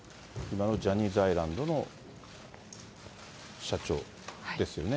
ジャニーズアイランドの社長ですよね。